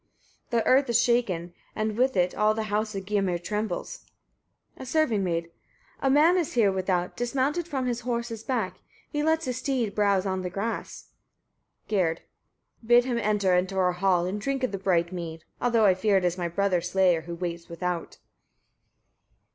The earth is shaken, and with it all the house of Gymir trembles. A serving maid. 15. A man is here without, dismounted from his horse's back: he lets his steed browse on the grass. Gerd. 16. Bid him enter into our hall, and drink of the bright mead; although I fear it is my brother's slayer who waits without.